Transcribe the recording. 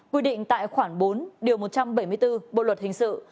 quy định tại khoảng bốn một trăm bảy mươi bốn bộ luật hình sự